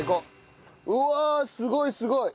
うわあすごいすごい！